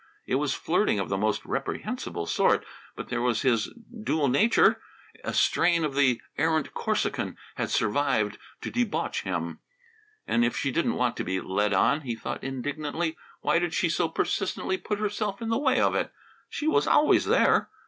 It was flirting of the most reprehensible sort. But there was his dual nature; a strain of the errant Corsican had survived to debauch him. And if she didn't want to be "led on," he thought indignantly, why did she so persistently put herself in the way of it? She was always there!